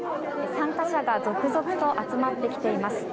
参加者が続々と集まってきています。